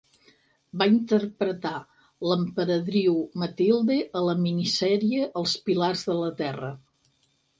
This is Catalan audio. Va interpretar l'emperadriu Matilde a la minisèrie "Els pilars de la Terra".